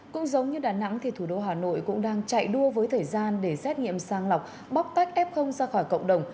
cũng giống như đà nẵng thì thủ đô hà nội cũng đang chạy đua với thời gian để xét nghiệm sang lọc bóc tách f ra khỏi cộng đồng